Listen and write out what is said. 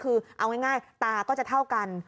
คือเอาง่ายตาก็จะเท่ากัน